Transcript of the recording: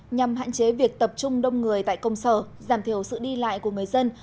nhằm hạn chế việc tập trung đông người tại công sở giảm thiểu sự đi lại của người dân